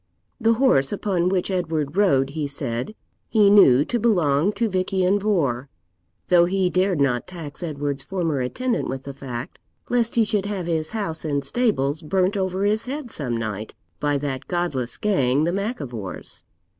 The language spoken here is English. The horse upon which Edward rode, he said, he knew to belong to Vich Ian Vohr, though he dared not tax Edward's former attendant with the fact, lest he should have his house and stables burnt over his head some night by that godless gang, the Mac Ivors.